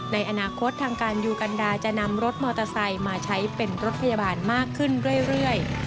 ในอนาคตทางการยูกันดาจะนำรถมอเตอร์ไซค์มาใช้เป็นรถพยาบาลมากขึ้นเรื่อย